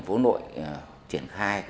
để có thể triển khai